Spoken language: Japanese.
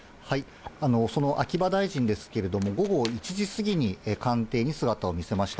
その秋葉大臣ですけれども、午後１時過ぎに、官邸に姿を見せました。